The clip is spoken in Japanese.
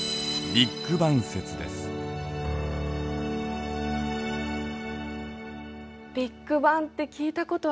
ビッグバンって聞いたことある。